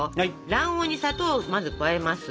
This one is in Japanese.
卵黄に砂糖をまず加えます。